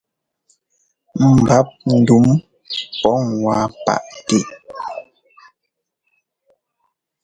Ḿbap ndǔm pǔŋ wá paʼtɛ.